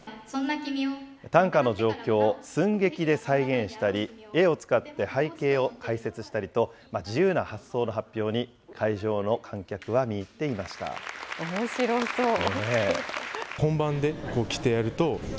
短歌の状況を寸劇で再現したり、絵を使って背景を解説したりと、自由な発想の発表に、おもしろそう。